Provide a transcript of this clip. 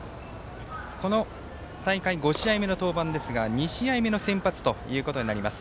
この大会、５試合目の登板ですが２試合目の先発ということになります。